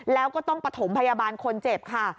แล้วก็ต้องประถมพยาบาลคนเจ็บค่ะ